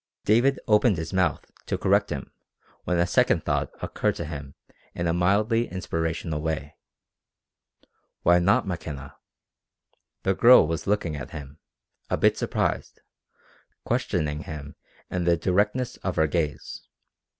David opened his mouth to correct him when a second thought occurred to him in a mildly inspirational way. Why not McKenna? The girl was looking at him, a bit surprised, questioning him in the directness of her gaze.